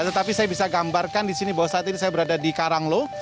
tetapi saya bisa gambarkan di sini bahwa saat ini saya berada di karanglo